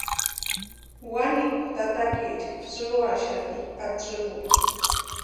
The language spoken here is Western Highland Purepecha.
Wanikwa tatakaecha tsʼïruaxati atsïmurhu.